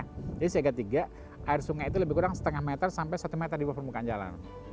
jadi siaga tiga air sungai itu lebih kurang setengah meter sampai satu meter di bawah permukaan jalan